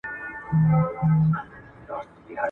فعالیتونه زده کړې فرصتونه زیاتوي.